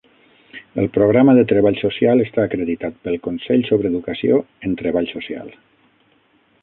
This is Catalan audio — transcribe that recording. El programa de treball social està acreditat pel Consell sobre Educació en Treball Social.